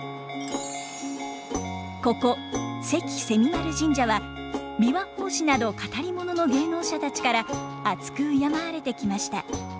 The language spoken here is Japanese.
ここ関蝉丸神社は琵琶法師など語り物の芸能者たちから篤く敬われてきました。